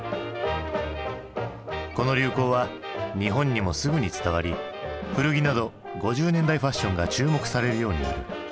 この流行は日本にもすぐに伝わり古着など５０年代ファッションが注目されるようになる。